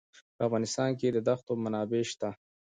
په افغانستان کې د دښتو منابع شته.